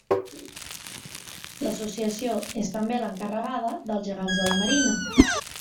L'associació és també l'encarregada dels Gegants de la Marina.